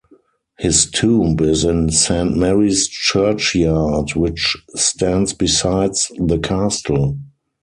His tomb is in Saint Mary's churchyard which stands besides the castle.